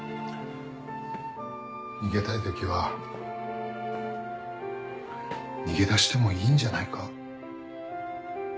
逃げたい時は逃げ出してもいいんじゃないか？